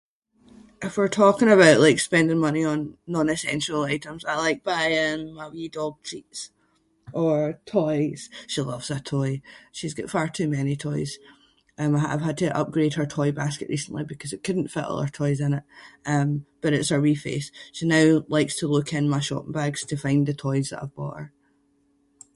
If we’re talking about like spending money on non-essential items I like buying my wee dog treats or toys- she loves a toy. She’s got far too many toys and we- I’ve had to upgrade her toy basket recently because it couldn’t fit all her toys in it. Um, but it’s her wee face. She now likes to look in my shopping bags to find the toys that I’ve bought her.